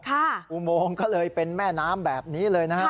อุโมงก็เลยเป็นแม่น้ำแบบนี้เลยนะครับ